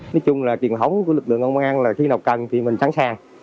nói chung là truyền thống của lực lượng công an là khi nào cần thì mình sẵn sàng